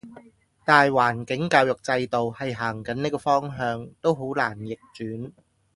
大環境教育制度係行緊呢個方向，都好難逆轉